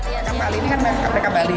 ya peka bali ini kan kayak peka bali